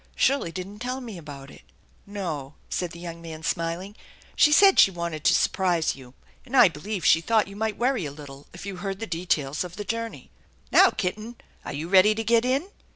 Shirley didn't tell me about it" " No/' said the young man, smiling, " she said she wanted to surprise you; and I believe she thought you might worry a little if you heard the details of the journey. Now, kitten, are you ready to get in